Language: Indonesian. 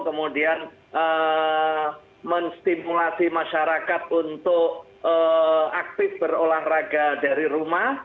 kemudian menstimulasi masyarakat untuk aktif berolahraga dari rumah